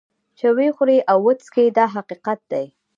چې وخوري او وڅکي دا حقیقت دی.